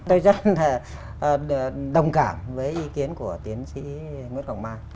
tôi rất là đồng cảm với ý kiến của tiến sĩ nguyễn hoàng mai